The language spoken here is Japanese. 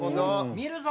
「見るぞ！」